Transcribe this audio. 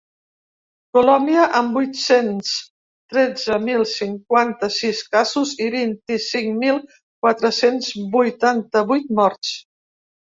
Colòmbia, amb vuit-cents tretze mil cinquanta-sis casos i vint-i-cinc mil quatre-cents vuitanta-vuit morts.